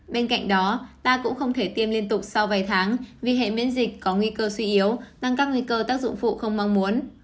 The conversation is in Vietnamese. bên cạnh đó ta cũng không thể tiêm liên tục sau vài tháng vì hệ miễn dịch có nguy cơ suy yếu tăng các nguy cơ tác dụng phụ không mong muốn